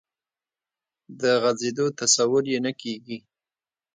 د غځېدو تصور یې نه کېږي.